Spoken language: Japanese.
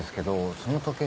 その時計